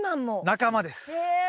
仲間です。